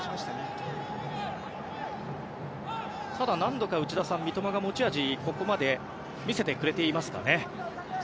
ただ、何度か三笘が持ち味をここまで見せてくれていますかね。